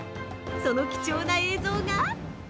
その貴重な映像が◆